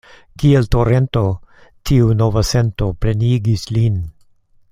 Kiel torento tiu nova sento plenigis lin.